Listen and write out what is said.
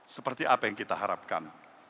seperti apa yang kita harapkan